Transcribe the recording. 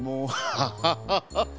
ハハハハハ。